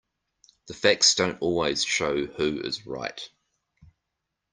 The facts don't always show who is right.